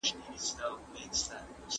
پوه سړی تل په استدلال خبري کوي.